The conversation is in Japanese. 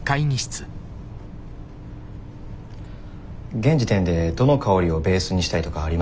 現時点でどの香りをベースにしたいとかありますか？